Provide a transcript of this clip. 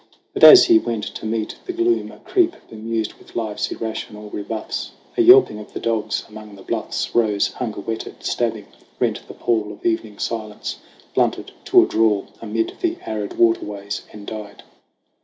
But as he went to meet the gloom a creep, Bemused with life's irrational rebuffs, A yelping of the dogs among the bluffs Rose, hunger whetted, stabbing ; rent the pall Of evening silence ; blunted to a drawl Amid the arid waterways, and died.